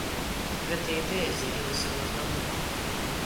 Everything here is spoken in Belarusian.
Гэтая ідэя з'явілася ў нас даўно.